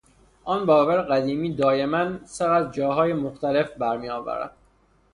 آن باور قدیمی دایما سر از جاهای مختلف بر میآورد.